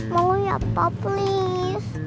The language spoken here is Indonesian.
mau ya pa please